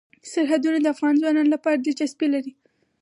سرحدونه د افغان ځوانانو لپاره دلچسپي لري.